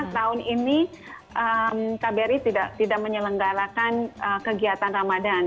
tahun ini kbri tidak menyelenggarakan kegiatan ramadan